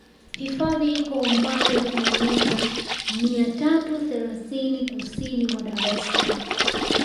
Hifadhi iko umbali wa kilometa mia tatu thelathini kusini mwa Dar es Salaam